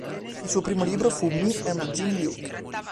Il suo primo libro fu "Me and Jim Luke".